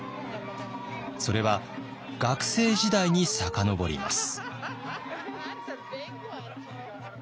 それは学生時代に遡ります。